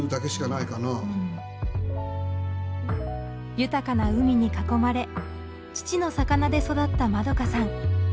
豊かな海に囲まれ父の魚で育ったまどかさん。